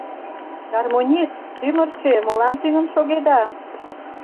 Гармонист, тӱмырчӧ, молан тӱҥын шогеда?